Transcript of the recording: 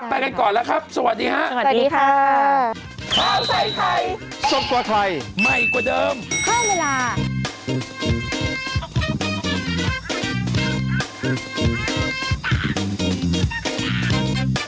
ไปกันก่อนแล้วครับสวัสดีฮะสวัสดีค่ะ